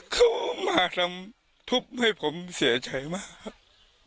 เขามาทำทุบให้ผมเสียใจมากครับ